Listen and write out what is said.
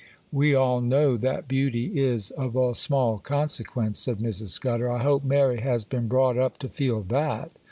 'We all know that beauty is of small consequence,' said Mrs. Scudder. 'I hope Mary has been brought up to feel that.